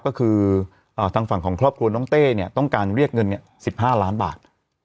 ก็คือทางฝั่งของครอบครัวน้องเต้เนี่ยต้องการเรียกเงิน๑๕ล้านบาท